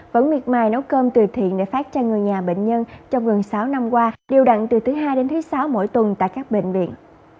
vẫn miệt mài nấu cơm từ thiện để phát cho người nhà bệnh nhân trong gần sáu năm qua điều đặn từ thứ hai đến thứ sáu mỗi tuần tại các bệnh viện